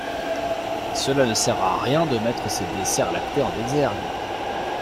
Cela ne sert à rien de mettre ces desserts lactés en exergue.